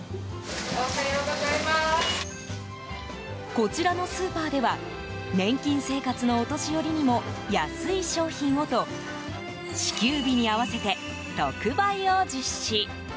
こちらのスーパーでは年金生活のお年寄りにも安い商品をと支給日に合わせて特売を実施。